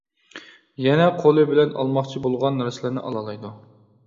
يەنە قولى بىلەن ئالماقچى بولغان نەرسىلەرنى ئالالايدۇ.